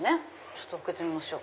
ちょっと開けてみましょう。